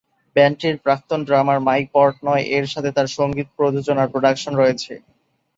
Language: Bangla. ব্যান্ডটির প্রাক্তন ড্রামার মাইক পর্টনয়-এর সাথে তার সঙ্গীত প্রযোজনার প্রোডাকশন রয়েছে।